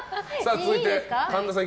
続いて、神田さん。